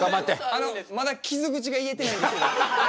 あのまだ傷口が癒えてないんですけど。